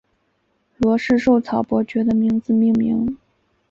罗氏绶草伯爵的名字命名。